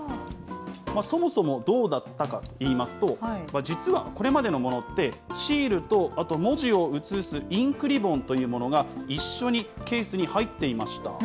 そもそもどうだったかといいますと、実はこれまでのものって、シールとあと、文字を写すインクリボンというものが一緒にケースに入っていました。